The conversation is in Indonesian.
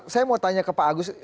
saya mau tanya ke pak agus